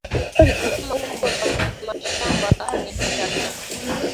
Kama uko na mashamba ni salama